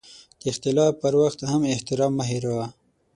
د اختلاف پر وخت هم احترام مه هېروه.